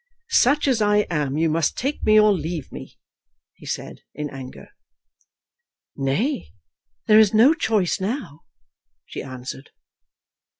"Such as I am you must take me, or leave me," he said, in anger. "Nay; there is no choice now," she answered.